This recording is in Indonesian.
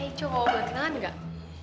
hey cowok boleh kenalan gak